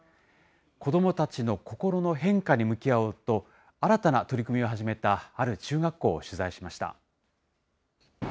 子どもたちの心の変化に向き合おうと、新たな取り組みを始めた、ある中学校を取材しました。